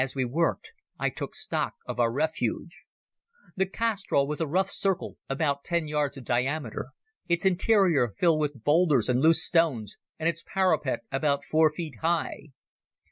As we worked I took stock of our refuge. The castrol was a rough circle about ten yards in diameter, its interior filled with boulders and loose stones, and its parapet about four feet high.